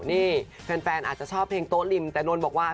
นี่แฟนอาจจะชอบเพลงโต๊ะริมแต่นนท์บอกว่า